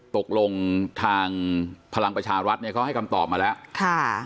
ตกลงทางพลังประชารัฐเนี่ยเขาให้คำตอบมาแล้ว